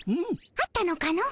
あったのかの？